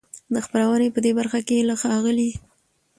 د خپرونې په دې برخه کې له ښاغلي